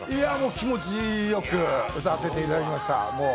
気持ちよく歌わせていただきました。